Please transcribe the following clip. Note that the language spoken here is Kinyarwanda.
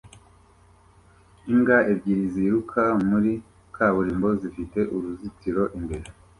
Imbwa ebyiri ziruka muri kaburimbo zifite uruzitiro imbere